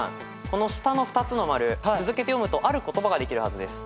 この下の２つのマル続けて読むとある言葉ができるはずです。